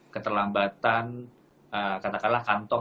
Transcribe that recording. keterlambatan katakanlah kantong